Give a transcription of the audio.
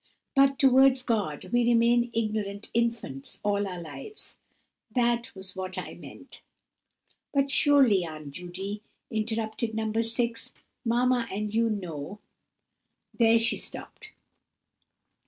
But towards God we remain ignorant infants all our lives. That was what I meant." "But surely, Aunt Judy," interrupted No. 6, "mamma and you know—" There she stopped.